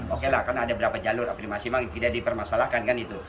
oke lah karena ada beberapa jalur afirmasi memang tidak dipermasalahkan kan itu